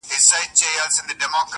اشنا پوښتني ته مي راسه-